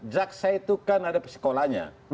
jaksa itu kan ada sekolahnya